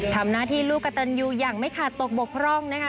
ทำหน้าที่ลูกกระตันยูอย่างไม่ขาดตกบกพร่องนะคะ